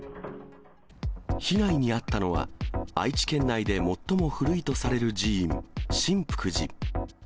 被害に遭ったのは、愛知県内で最も古いとされる寺院、真福寺。